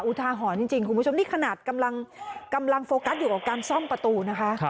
ทาหรณ์จริงคุณผู้ชมนี่ขนาดกำลังโฟกัสอยู่กับการซ่อมประตูนะคะ